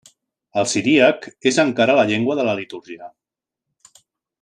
El siríac és encara la llengua de la litúrgia.